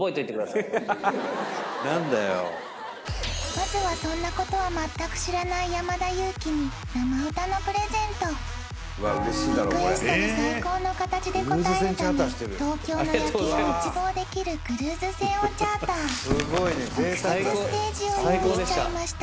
まずはそんなことは全く知らない山田裕貴に生歌のプレゼントリクエストに最高の形で応えるため東京の夜景を一望できる特設ステージを用意しちゃいました